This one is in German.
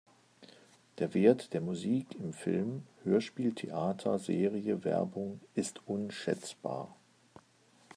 Der Wert der Musik im Film, Hörspiel, Theater, Serie, Werbung ist unschätzbar.